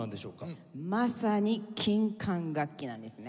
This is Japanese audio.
まさに金管楽器なんですね。